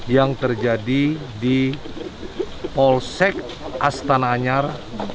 yang terjadi di polsek astana anyar